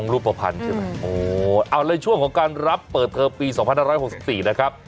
แล้วในช่วงของการรับเปิดเทอมปี๒๖๖๔นะครับ